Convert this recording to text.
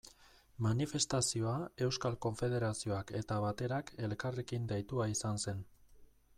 Manifestazioa Euskal Konfederazioak eta Baterak elkarrekin deitua izan zen.